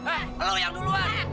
eh lu yang duluan